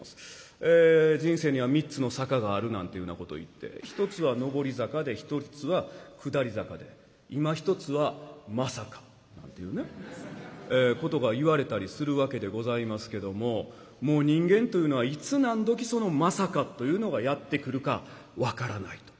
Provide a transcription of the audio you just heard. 人生には三つの坂があるなんていうようなこといって一つは「上り坂」で一つは「下り坂」でいまひとつは「まさか」なんていうねことがいわれたりするわけでございますけどももう人間というのはいつ何時その「まさか」というのがやって来るか分からないと。